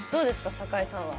坂井さんは。